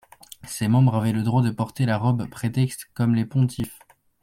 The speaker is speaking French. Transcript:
Ses membres avaient le droit de porter la robe prétexte comme les pontifes.